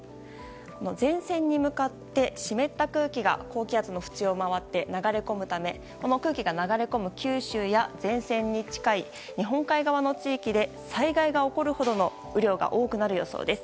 前線に向かって湿った空気が高気圧のふちを回って流れ込むためこの空気が流れ込む九州や前線に近い日本海側の地域で災害が起こるほど雨量が多くなる予想です。